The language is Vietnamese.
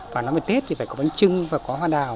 và nói một tết thì phải có bánh trưng và có hoa đào